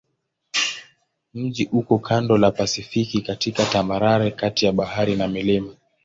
Mji uko kando la Pasifiki katika tambarare kati ya bahari na milima.